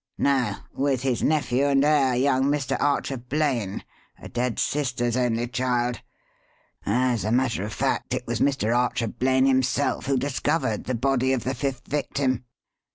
"No. With his nephew and heir, young Mr. Archer Blaine, a dead sister's only child. As a matter of fact, it was Mr. Archer Blaine himself who discovered the body of the fifth victim.